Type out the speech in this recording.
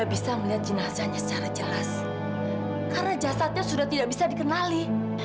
karena jasadnya sudah tidak bisa dikenali